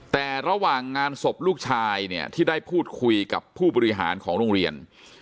แต่ระหว่างงานศพลูกชายเนี่ยที่ได้พูดคุยกับผู้บริหารของโรงเรียน